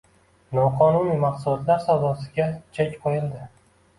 Noqonuniy mahsulotlar savdosiga chek qo‘yildi